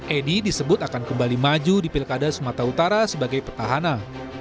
edi disebut akan kembali maju di pilkada sumatera utara sebagai petahana